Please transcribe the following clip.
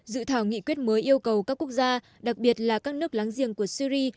dự thảo nghị quyết mới yêu cầu các quốc gia đặc biệt là các nước láng giềng của syri